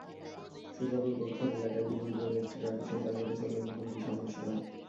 সূত্রাপুর বোর্ডঘর এলাকায় বিপরীতগামী একটি ট্রাকের সঙ্গে তাঁর মোটরসাইকেলের মুখোমুখি সংঘর্ষ হয়।